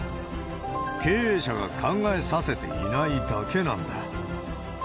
経営者が考えさせていないだけなんだ。